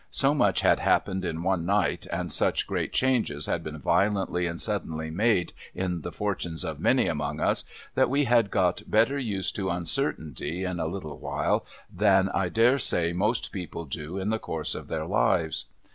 So much had happened in one night, and such great changes had been violently and suddenly made in the fortunes of many among us, that we had got better used to uncertainty, in a little while, than I dare say most people do in the course of their lives.